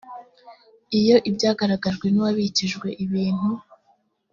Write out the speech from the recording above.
iyo ibyagaragajwe n uwabikijwe ibintu